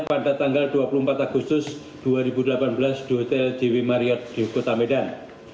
pada tanggal dua puluh empat agustus dua ribu delapan belas di hotel jw mariot di kota medan